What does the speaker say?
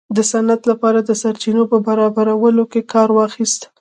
د صنعت لپاره د سرچینو په برابرولو کې کار واخیست.